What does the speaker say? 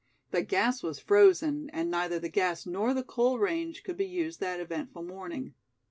The gas was frozen, and neither the gas nor the coal range could be used that eventful morning.